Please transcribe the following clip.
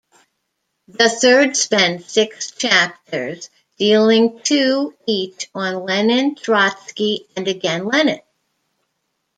The third spends six chapters, dealing two each on Lenin, Trotsky, and again Lenin.